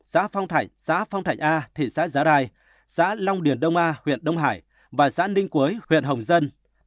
xã phong thạnh xã phong thạnh a thị xã giá rai xã long điền đông a huyện đông hải và xã ninh quế huyện hồng dân